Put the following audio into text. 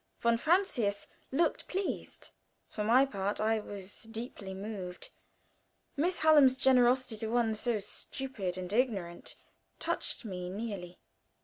Von Francius looked pleased. For my part, I was deeply moved. Miss Hallam's generosity to one so stupid and ignorant touched me nearly.